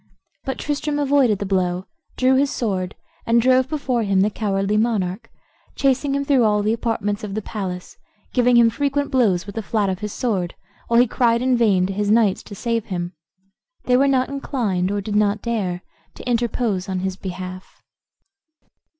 But Tristram avoided the blow, drew his sword, and drove before him the cowardly monarch, chasing him through all the apartments of the palace, giving him frequent blows with the flat of his sword, while he cried in vain to his knights to save him. They were not inclined, or did not dare, to interpose in his behalf.